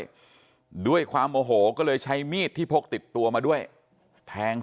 ด้วยความโอโหก็เลยใช้มีดที่พกติดตัวมาด้วยแทง